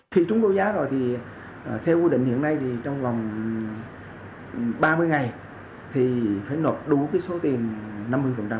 khi chúng đấu giá rồi thì theo quy định hiện nay thì trong vòng ba mươi ngày thì phải nộp đủ cái số tiền năm mươi